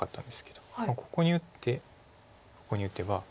ここに打ってここに打てば。